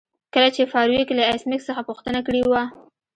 کله چې فارویک له ایس میکس څخه پوښتنه کړې وه